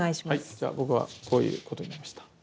じゃあ僕はこういうことになりました。